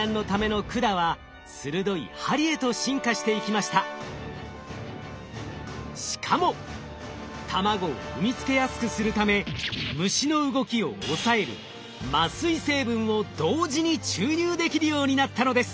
そのためしかも卵を産み付けやすくするため虫の動きを抑える麻酔成分を同時に注入できるようになったのです。